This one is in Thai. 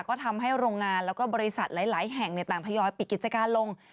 ก็ทำให้โรงงานแล้วก็บริษัทหลายแห่งต่างทยอยปิดกิจการลง